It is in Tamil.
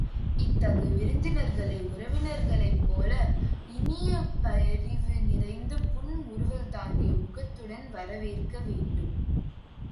இத்தகு விருந்தினர்களை, உழுவலன்புடையாரைப் போல இனிய பரிவு நிறைந்த புன்முறுவல் தாங்கிய முகத்துடன் வரவேற்க வேண்டும்.